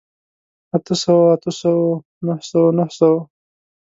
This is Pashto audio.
اته سوو، اتو سوو، نهه سوو، نهو سوو